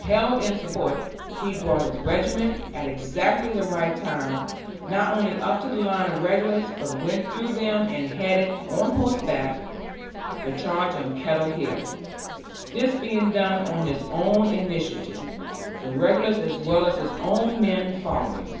Held in support, he brought his regiment, at exactly the right time, not only up to the line of regulars, but went through them and headed, on horseback, the charge on Kettle Hill; this being done on his own initiative, the regulars as well as his own men following.